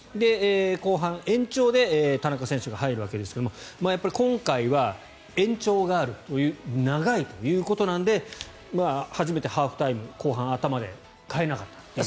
後半、延長で田中選手が入るわけですが今回は延長があるという長いということなので初めてハーフタイム後半頭で代えなかった。